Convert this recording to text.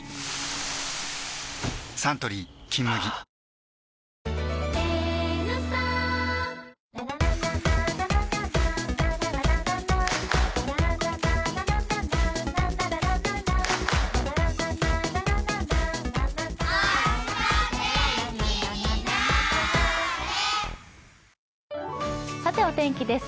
サントリー「金麦」お天気です。